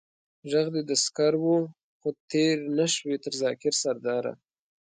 ژغ دې د سکر و، خو تېر نه شوې تر ذاکر سرداره.